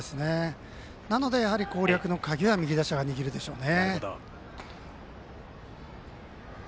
なので、やはり攻略の鍵は右打者が握るでしょうね。